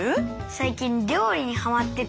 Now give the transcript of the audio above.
最近料理にハマってて。